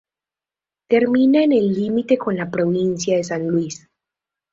Termina en el límite con la Provincia de San Luis.